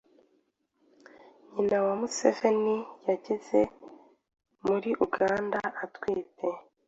Nyina wa Museveni yageze muri Uganda atwite